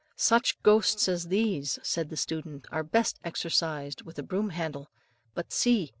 "Such ghosts as these," said the student, "are best exorcised with a broom handle; but, see!